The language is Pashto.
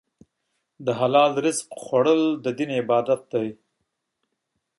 د حلال رزق خوړل د دین عبادت دی.